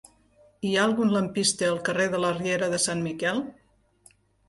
Hi ha algun lampista al carrer de la Riera de Sant Miquel?